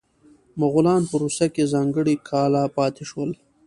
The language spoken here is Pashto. مغولان په روسیه کې ځانګړي کاله پاتې شول.